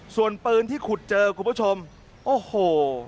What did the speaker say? ส่วนปืนที่ขุดเจอคุณผู้ชมโอ้โห